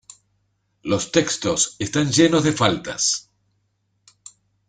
Los textos están llenos de faltas.